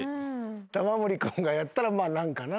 玉森君がやったらまあ何かな。